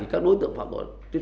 các đối tượng phạm tội